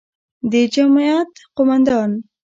د جمعیت قوماندان،